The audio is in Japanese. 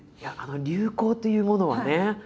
流行というものはね